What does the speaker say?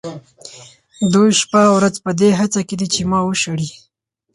دوی شپه او ورځ په دې هڅه کې دي چې ما وشړي.